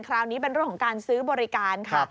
คราวนี้เป็นเรื่องของการซื้อบริการค่ะ